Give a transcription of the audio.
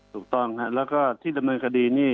ถูกต้องครับแล้วก็ที่ดำเนินคดีนี่